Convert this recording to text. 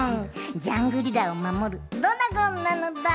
ジャングリラをまもるドラゴンなのだ！